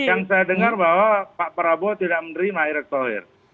yang saya dengar bahwa pak prabowo tidak menerima erick thohir